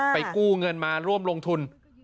กู้เงินมาร่วมลงทุน